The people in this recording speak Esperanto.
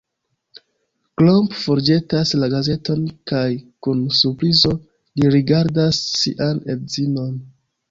Klomp forĵetas la gazeton kaj kun surprizo li rigardas sian edzinon.